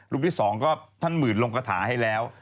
ที่๒ก็ท่านหมื่นลงกระถาให้แล้ว